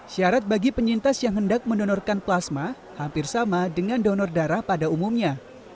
syarat bagi penyintas yang hendak mendonorkan plasma hampir sama dengan donor darah pada umumnya